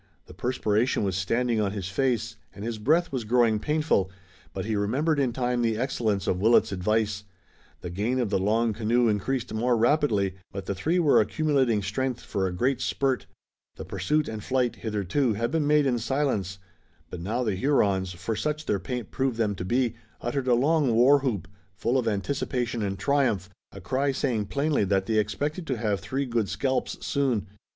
The perspiration was standing on his face, and his breath was growing painful, but he remembered in time the excellence of Willet's advice. The gain of the long canoe increased more rapidly, but the three were accumulating strength for a great spurt. The pursuit and flight, hitherto, had been made in silence, but now the Hurons, for such their paint proved them to be, uttered a long war whoop, full of anticipation and triumph, a cry saying plainly that they expected to have three good scalps soon.